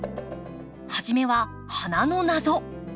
初めは花の謎。